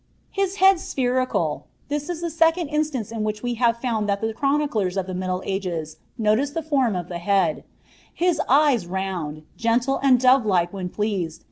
" His head spherical ; (this is the serond instance in which w»hl« found that the chroniclers of the middle ogea notice (be funn of ite head ;) his eyes ronnd, gentle and dnve like when plettsed.